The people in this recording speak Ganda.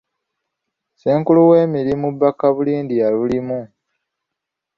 Ssenkulu w'emirimu Bakabulindi yalulimu.